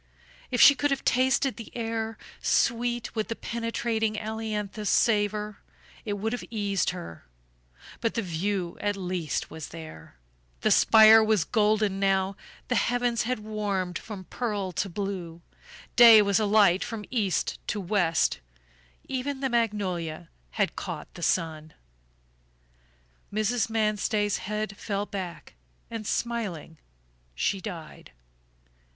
If she could have tasted the air, sweet with the penetrating ailanthus savor, it would have eased her; but the view at least was there the spire was golden now, the heavens had warmed from pearl to blue, day was alight from east to west, even the magnolia had caught the sun. Mrs. Manstey's head fell back and smiling she died.